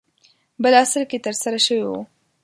بل عصر کې ترسره شوی و.